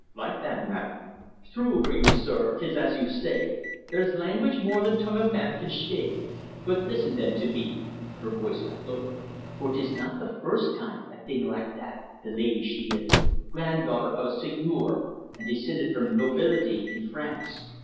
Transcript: "Like that, Madame." "Thrue for you, sir, 'tis as you say. There's language more than tongue of man can shpake. But listen, thin, to me" her voice got lower "for 'tis not the furst time, a thing like that, the lady she is granddaughter of a Seigneur, and descinded from nobility in France!